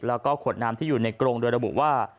แล้วก็ขวดน้ำที่อยู่ในกรงโดยระบุว่า